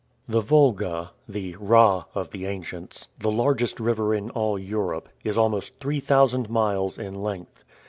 The Volga, the Rha of the ancients, the largest river in all Europe, is almost three thousand miles in length.